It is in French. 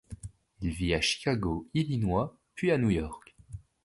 Il vit à Chicago, Illinois, puis à New York.